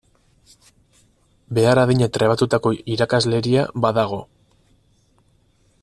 Behar adina trebatutako irakasleria badago.